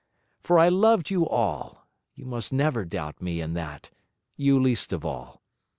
For I loved you all; you must never doubt me in that, you least of all.